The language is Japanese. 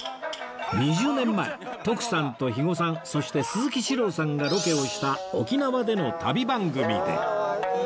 ２０年前徳さんと肥後さんそして鈴木史朗さんがロケをした沖縄での旅番組で